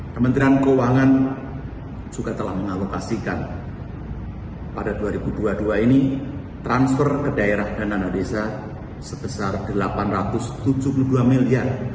kementerian keuangan juga telah mengalokasikan pada dua ribu dua puluh dua ini transfer ke daerah dan dana desa sebesar rp delapan ratus tujuh puluh dua miliar